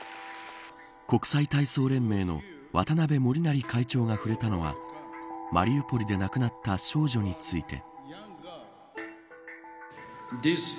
国際体操連盟の渡辺守成会長が触れたのはマリウポリで亡くなった少女について。